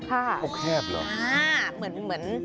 ข้าวแคบเหรอ